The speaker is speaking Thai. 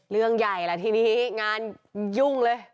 เรื่องใหญ่ล่ะทีนี้งานยุ่งเลย